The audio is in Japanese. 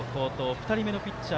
２人目のピッチャー